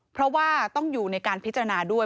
เพราะว่าต้องอยู่ในการพิจารณาด้วย